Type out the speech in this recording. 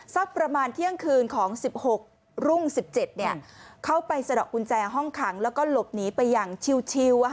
สักประมาณเที่ยงคืนของ๑๖รุ่ง๑๗เข้าไปสะดอกกุญแจห้องขังแล้วก็หลบหนีไปอย่างชิว